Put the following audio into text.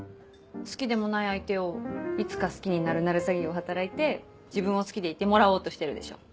好きでもない相手を「いつか好きになるなる詐欺」を働いて自分を好きでいてもらおうとしてるでしょ。